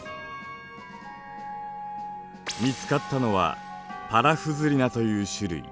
見つかったのはパラフズリナという種類。